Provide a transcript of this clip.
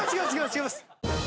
違います！